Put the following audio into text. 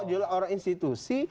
jelas orang institusi